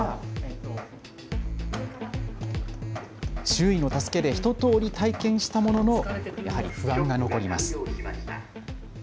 周囲の助けで一とおり体験したもののやはり不安が残ります。